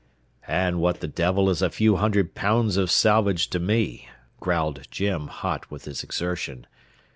"And what the devil is a few hundred pounds of salvage to me?" growled Jim, hot with his exertion.